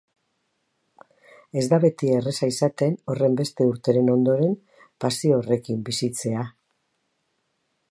Ez da beti erraza izaten horrenbeste urteren ondoren pasio horrekin bizitzea.